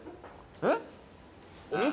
えっ？